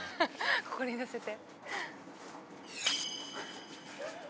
ここにのせて。